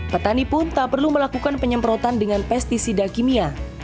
petani pun tak perlu melakukan penyemprotan dengan pesticida kimia